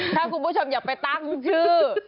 ถ้าคุณผู้ชมอยากไปตั้งชื่อ